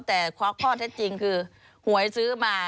แต่ข้อแทบจริงคือหวยซื้อมา